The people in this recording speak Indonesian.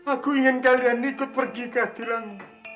aku ingin kalian ikut pergi ke tilang